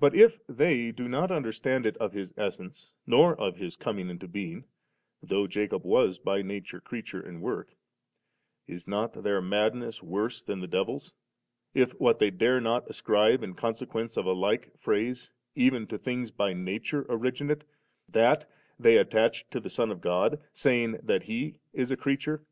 But if they do not understand it of his essence nor of his ccnning into bein^ though Jacob was by nature creature and work, is not their madness worse than the Devil's \ if what they dare not ascribe in consequence of a like phrase even to things hy nature originate^ that they attach to the Son of God, saying that He is a creature?